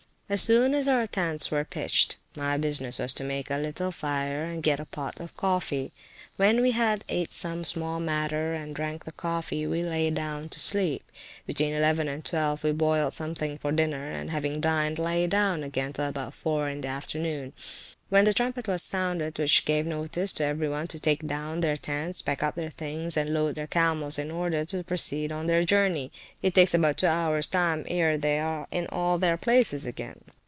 As soon as our tents were pitched, my business was to make a little fire and get a pot of coffee. When we had ate some small matter and drank the coffee, we lay down to sleep. Between eleven and twelve we boiled something for dinner, and having dined, lay down again, till about four in the afternoon; when the trumpet was sounded which gave notice to every one to take down their tents, pack up their things, and load their camels in order to proceed on their journey. It takes up about two hours time ere they are in all their places again.